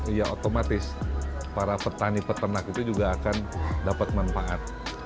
ya otomatis para petani peternak itu juga bisa mencari makanan yang mudah didapat